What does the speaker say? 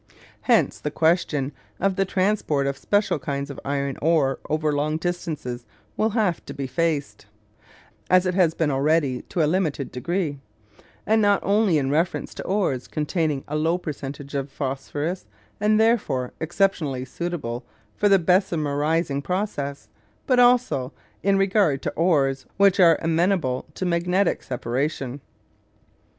Hence the question of the transport of special kinds of iron ore over longer distances will have to be faced (as it has been already to a limited degree), and not only in reference to ores containing a low percentage of phosphorus and therefore exceptionally suitable for the Bessemerising process, but also in regard to ores which are amenable to magnetic separation.